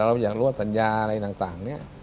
เราอยากรู้ว่าสัญญาอะไรต่างเนี่ย